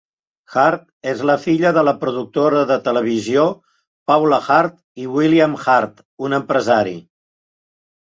Hart és la filla de la productora de televisió Paula Hart i William Hart, un empresari.